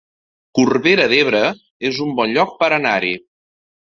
Corbera d'Ebre es un bon lloc per anar-hi